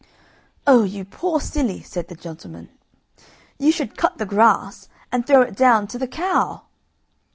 "Oh, you poor silly!" said the gentleman, "you should cut the grass and throw it down to the cow!"